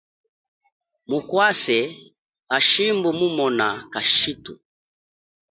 Mukwase, hashimbu mumona kashithu.